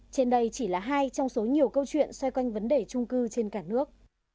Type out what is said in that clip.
trên đây chỉ là hai trong số nhiều câu chuyện xoay quanh vấn đề trung cư trên cả nước